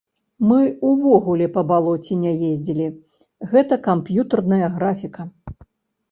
Мы ўвогуле па балоце не ездзілі, гэта камп'ютарная графіка.